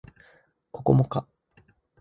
ここもか